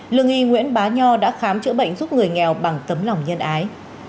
lương y nguyễn bá nho đã khám chữa bệnh giúp người nghèo bằng tấm lòng nhân ái